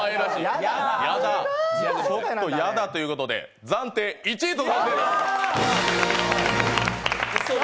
ちょっとやだということで暫定１位とさせていただきます。